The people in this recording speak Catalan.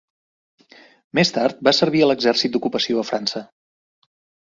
Més tard, va servir a l'exèrcit d'ocupació a França.